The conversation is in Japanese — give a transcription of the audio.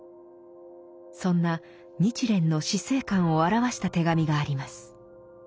そんな日蓮の死生観を表した手紙があります。